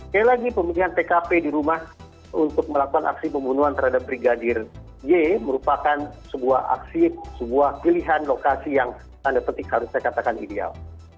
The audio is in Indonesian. dan lagi pemilihan tkp di rumah untuk melakukan aksi pembunuhan terhadap brigadir y merupakan sebuah aksi sebuah pilihan lokasi yang tanda penting harus saya katakan ideal